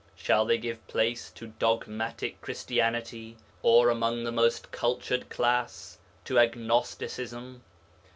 Shall they give place to dogmatic Christianity or, among the most cultured class, to agnosticism?